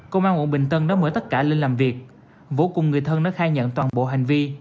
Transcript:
công an quận bình tân đã mở tất cả lên làm việc vũ cùng người thân đã khai nhận toàn bộ hành vi